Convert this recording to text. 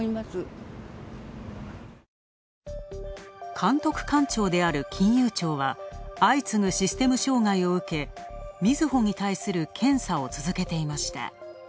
監督官庁である金融庁は、相次ぐシステム障害を受け、みずほに対する検査を続けていました。